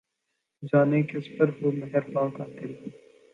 جانے کس پر ہو مہرباں قاتل